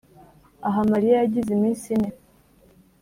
aha mariya yagize iminsi ine